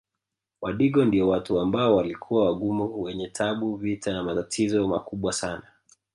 Wadigo ndio watu ambao walikuwa wagumu wenye tabu vita na matatizo makubwa sana